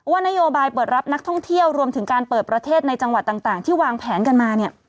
นโยบายเปิดรับนักท่องเที่ยวรวมถึงการเปิดประเทศในจังหวัดต่างที่วางแผนกันมาเนี่ย